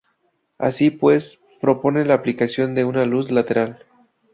Así pues, propone la aplicación de una luz lateral.